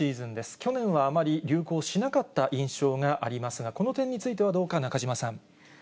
去年はあまり流行しなかった印象がありますが、この点についてはどうか、中島さん。